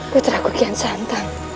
putraku kian santan